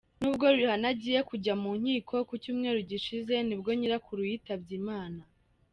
N’ubwo Rihanna agiye kujya mu nkiko, ku cyumweru gishize nibwo nyirakuru yitabye Imana.